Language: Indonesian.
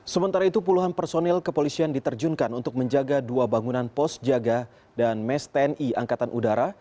sementara itu puluhan personil kepolisian diterjunkan untuk menjaga dua bangunan pos jaga dan mes tni angkatan udara